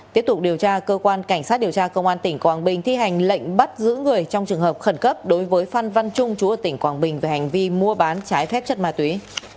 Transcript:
tiếp tục điều tra cơ quan cảnh sát điều tra công an tỉnh quảng bình thi hành lệnh bắt giữ người trong trường hợp khẩn cấp đối với phan văn trung chú ở tỉnh quảng bình về hành vi mua bán trái phép chất ma túy